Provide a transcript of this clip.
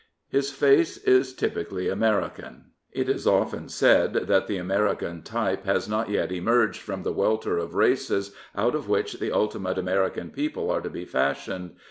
His face is typically American. It is often said that the American type has not yet emerged from the welter of races out of which the ultimate American people are to be fashioned.